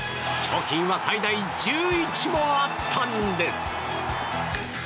貯金は最大１１もあったんです。